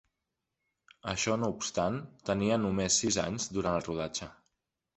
Això no obstant, tenia només sis anys durant el rodatge.